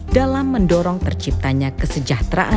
dalam mendorong terciptanya kesejahteraan